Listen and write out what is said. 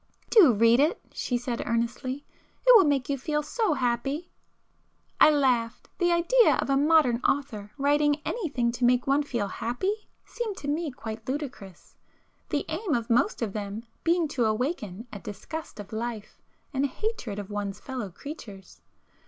"Do read it!" she said earnestly—"It will make you feel so happy!" I laughed. The idea of a modern author writing anything to make one feel happy, seemed to me quite ludicrous, the aim of most of them being to awaken a disgust of life, and a hatred of one's fellow creatures.